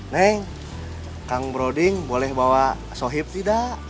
neng kang broding boleh bawa sohib tidak